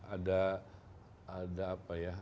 ada ada apa ya